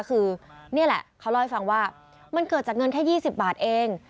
คือนี่แหละเขาเล่าให้ฟังว่ามันเกิดจากเงินแค่๒๐บาทเอง